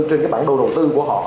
trên cái bản đồ đầu tư của họ